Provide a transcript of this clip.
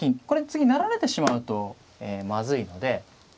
これ次成られてしまうとまずいので。